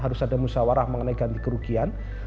harus ada musyawarah mengenai ganti kerugian